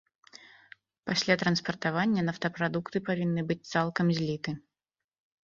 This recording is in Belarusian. Пасля транспартавання нафтапрадукты павінны быць цалкам зліты.